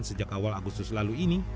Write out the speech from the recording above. sejak awal agustus lalu ini